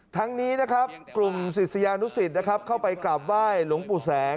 ทั้งนี้นะครับกลุ่มศิษยานุกษิศเข้าไปกลับไหว้หลวงปู่แสง